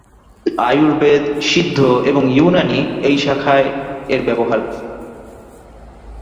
আয়ুর্বেদ, সিদ্ধ এবং ইউনানী এই শাখায় এর ব্যবহার বেশি।